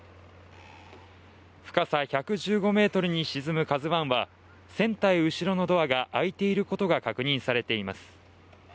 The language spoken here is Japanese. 深さ１１５ｍに沈む「ＫＡＺＵⅠ」は船体後ろのドアが開いていることが確認されています。